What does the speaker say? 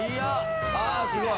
ああすごい！